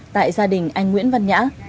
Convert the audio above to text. tại gia đình anh nguyễn văn nhã